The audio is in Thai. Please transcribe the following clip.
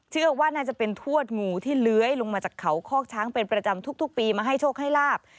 เชื่อว่าน่าจะเป็นทวดงูที่เลื้อยลงมาจากเขาคอกช้างเป็นประจำทุกปีมาให้โชคให้ลาบ